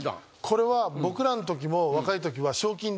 これは僕らのときも若いときは賞金で。